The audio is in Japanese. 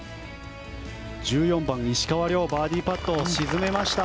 １４番、石川遼バーディーパットを沈めました。